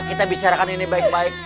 kita bicarakan ini baik baik